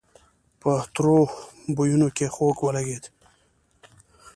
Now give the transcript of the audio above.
په تروو بويونو کې خوږ ولګېد.